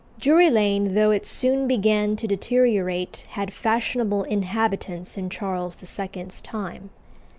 Drury Lane, though it soon began to deteriorate, had fashionable inhabitants in Charles II.'s time.